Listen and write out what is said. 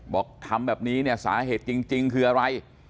บอกทำแบบนี้เนี่ยสาเหตุจริงคืออะไร